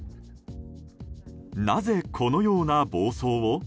なぜ、このような暴走を？